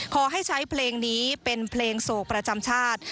ขอให้ใช้เพลงนี้เป็นเพลงโศกประจำชาติ